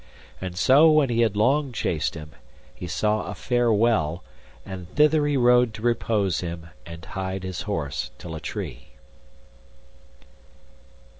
And so when he had long chased him, he saw a fair well, and thither he rode to repose him, and tied his horse till a tree.